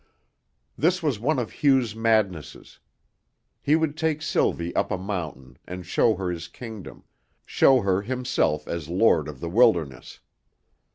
This was one of Hugh's madnesses; he would take Sylvie up a mountain and show her his kingdom, show her himself as lord of the wilderness.